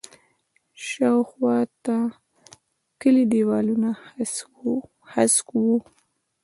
شاوخوا ته د کلي دیوالونه هسک وو.